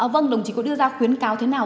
vâng đồng chí có đưa ra khuyến cáo thế nào